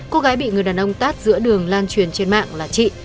cô gái bị người đàn ông tát giữa đường lan truyền trên mạng là chị